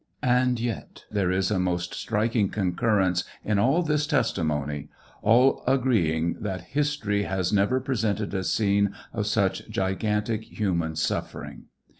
And yet there is a most striking concurrence in all this testimony all agreeing that history has never presented a scene of such gigantic human suffering.